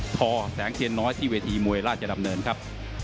แสงเทียนน้อยที่เวทีมวยราชดำเนินครับ